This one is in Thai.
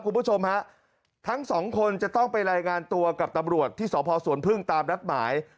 คุณผู้ชมฮะทั้งสองคนจะต้องไปรายงานตัวกับตำรวจที่สพสวนพึ่งตามนัดหมาย